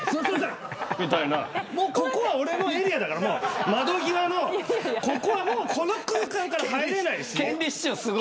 ここは俺のエリアだから窓際のここはこの空間から入れないし。